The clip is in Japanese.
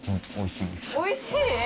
おいしい？